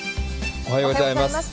おはようございます。